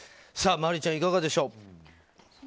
真里ちゃん、いかがでしょう。